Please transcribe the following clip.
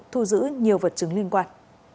thu giữ nhiều vật chứng liên quan